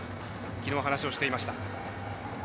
きのう、話をしていました。